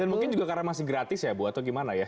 dan mungkin juga karena masih gratis ya bu atau gimana ya